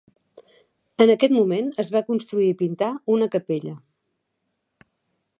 En aquest moment es va construir i pintar una capella.